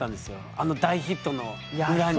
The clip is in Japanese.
あの大ヒットの裏に。